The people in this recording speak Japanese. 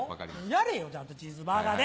やれよちゃんとチーズバーガーで！